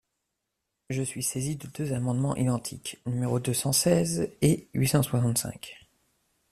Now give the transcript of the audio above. Je suis saisie de deux amendements identiques, numéros deux cent seize et huit cent soixante-cinq.